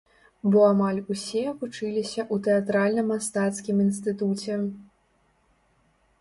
Бо амаль усе вучыліся ў тэатральна-мастацкім інстытуце.